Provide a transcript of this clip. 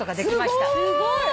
すごい。